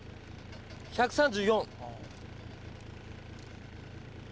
１３４。